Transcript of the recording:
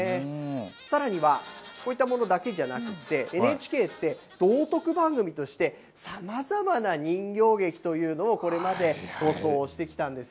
さらには、こういったものだけじゃなくて、ＮＨＫって、道徳番組として、さまざまな人形劇というのをこれまで放送してきたんです。